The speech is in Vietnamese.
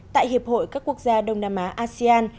tại hiệp hội các quốc gia đông nam á asean